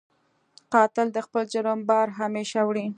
قاتل د خپل جرم بار همېشه وړي